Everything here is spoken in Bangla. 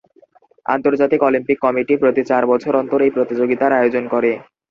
আন্তর্জাতিক অলিম্পিক কমিটি প্রতি চার বছর অন্তর এই প্রতিযোগিতার আয়োজন করে।